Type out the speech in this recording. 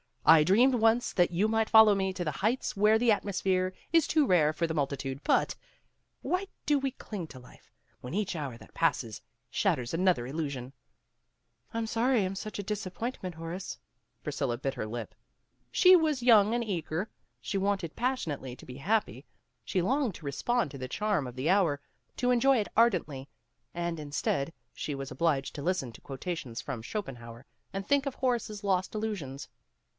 I had dreamed once that you might follow me to the heights where the atmosphere is too rare for the multitude, but Why do we cling to life, when each hour that passes shatters another illusion?" "I'm sorry I'm such a disappointment, AT THE FOOT BALL GAME 203 Horace," Priscilla bit her lip. She was young and eager. She wanted passionately to be happy. She longed to respond to the charm of the hour, to enjoy it ardently, and instead she was obliged to listen to quotations from Scho penhauer, and think of Horace's lost illusions.